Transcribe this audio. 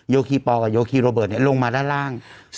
โยคีปัอกับโยคีโรเบิร์ตเนี่ยลงมาด้านล่าง